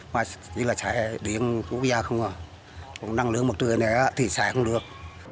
mà như là xài điện quốc gia không năng lượng mặt trời này thì xài không được